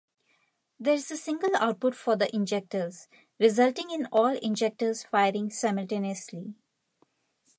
There is a single output for the injectors, resulting in all injectors firing simultaneously.